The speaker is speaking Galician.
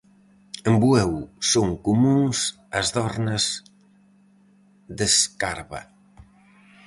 En Bueu son comúns as dornas de escarva.